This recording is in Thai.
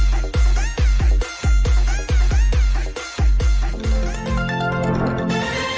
สวัสดีครับ